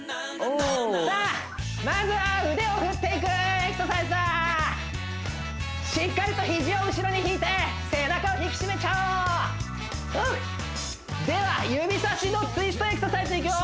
さあまずは腕を振っていくエクササイズだしっかりと肘を後ろに引いて背中を引き締めちゃおうでは指差しのツイストエクササイズいくよ